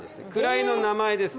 位の名前です。